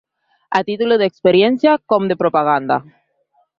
A títol d'experiència, com de propaganda.